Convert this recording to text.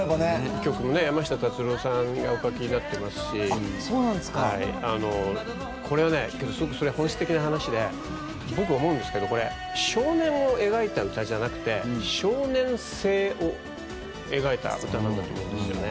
曲も山下達郎さんがお書きになっていますしこれは、本質的な話で僕、思うんですけど少年を描いた歌じゃなくて少年性を描いた歌なんだと思うんですよね。